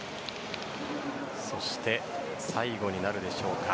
そして最後になるでしょうか